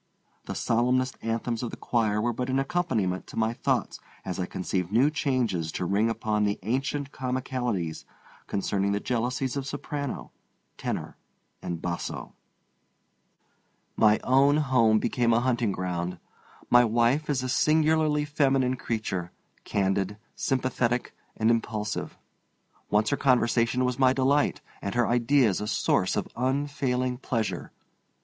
The solemnest anthems of the choir were but an accompaniment to my thoughts as I conceived new changes to ring upon the ancient comicalities concerning the jealousies of soprano, tenor, and basso. My own home became a hunting ground. My wife is a singularly feminine creature, candid, sympathetic, and impulsive. Once her conversation was my delight, and her ideas a source of unfailing pleasure.